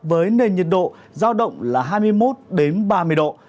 với nền nhiệt độ giao động là hai mươi một ba mươi độ